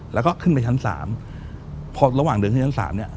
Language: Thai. แล้วก็ขึ้นไปชั้น๓พอระหว่างเดินขึ้นชั้น๓เนี่ย